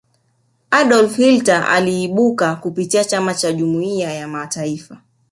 adolf hitler aliibuka kupitia chama cha jumuiya ya mataifa